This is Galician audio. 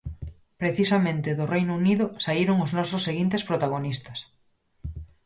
Precisamente do Reino Unido saíron os nosos seguintes protagonistas.